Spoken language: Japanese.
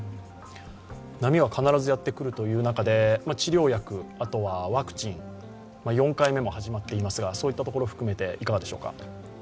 波は必ずやってくるという中で治療薬、あとはワクチン、４回目も始まっていますが、そういったところ含めていかがでしょうか。